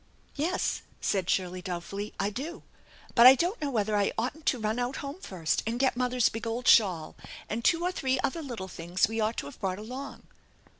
"Yes," said Shirley, doubtfully, "I do. But I don't know whether I oughtn't to run out home first and get mother's big old shawl, and two or three other little things we ought to have brought along."